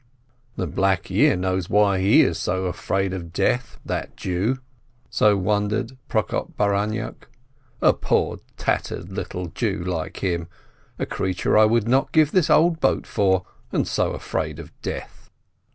"The black year knows why he is so afraid of death, that Jew," so wondered Prokop Baranyuk, "a poor tattered little Jew like him, a creature I would not give this old boat for, and so afraid of death